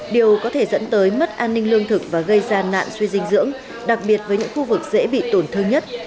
điều có thể dẫn tới mất an ninh lương thực và gây ra nạn suy dinh dưỡng đặc biệt với những khu vực dễ bị tổn thương nhất